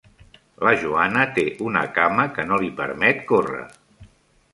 La Joana té una cama que no li permet córrer.